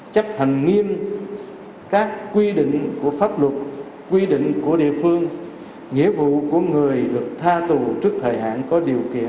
chấp hành nghiêm các quy định của pháp luật quy định của địa phương nghĩa vụ của người được tha tù trước thời hạn có điều kiện